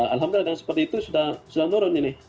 alhamdulillah dengan seperti itu sudah menurun ini